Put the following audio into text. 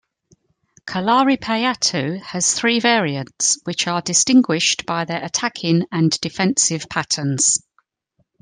Kalaripayattu has three variants, which are distinguished by their attacking and defensive patterns.